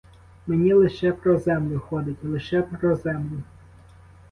Мені лише про землю ходить, лише про землю.